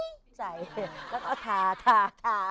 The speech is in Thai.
แล้วก็ทา